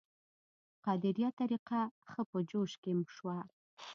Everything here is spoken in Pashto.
قادریه طریقه ښه په جوش کې شوه.